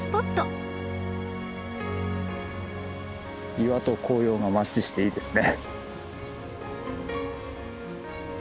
岩と紅葉がマッチしていいですね。